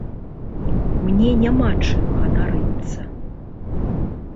Мне няма чым ганарыцца.